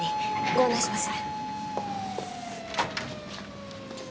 ご案内します。